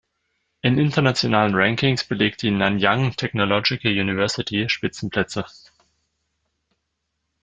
In internationalen Rankings belegt die Nanyang Technological University Spitzenplätze.